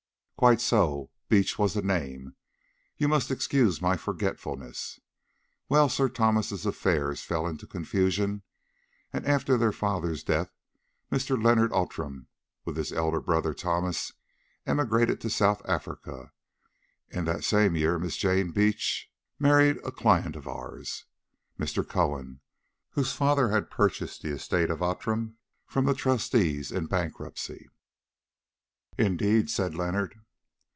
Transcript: "Quite so; Beach was the name. You must excuse my forgetfulness. Well, Sir Thomas's affairs fell into confusion, and after their father's death Mr. Leonard Outram, with his elder brother Thomas, emigrated to South Africa. In that same year Miss Jane—eh—Beach married a client of ours, Mr. Cohen, whose father had purchased the estate of Outram from the trustees in bankruptcy." "Indeed!" said Leonard.